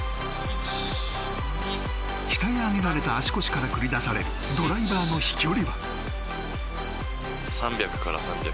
鍛え上げられた足腰から繰り出されるドライバーの飛距離は。